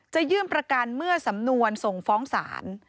จะยื่นประกันเมื่อสำนวนส่งฟ้องศาล